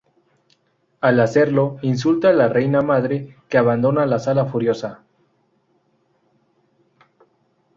Al hacerlo, insulta a la Reina Madre, que abandona la sala furiosa.